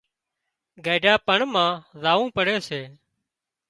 گئيڍا پڻ مان زاوون پڙي سي